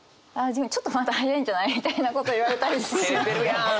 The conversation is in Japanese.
ちょっとまだ早いんじゃない？みたいなこと言われたりしますね。